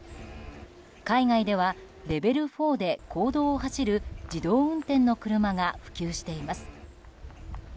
海外では、レベル４で公道を走る自動運転の車が普及しています。